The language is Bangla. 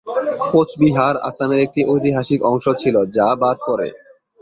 কোচবিহার আসামের একটি ঐতিহাসিক অংশ ছিল, যা বাদ পড়ে।